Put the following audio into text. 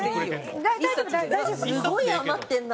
すごい余ってんな。